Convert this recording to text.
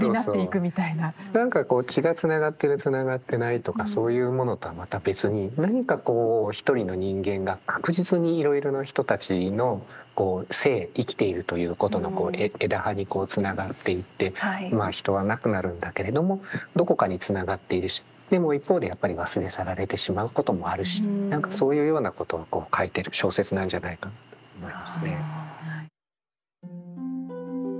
何かこう血がつながってるつながってないとかそういうものとはまた別に何かこう一人の人間が確実にいろいろな人たちのこう生生きているということの枝葉につながっていってまあ人は亡くなるんだけれどもどこかにつながっているしでも一方でやっぱり忘れ去られてしまうこともあるし何かそういうようなことを書いてる小説なんじゃないかと思いますね。